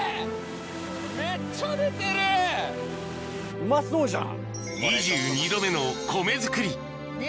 うまそうじゃん！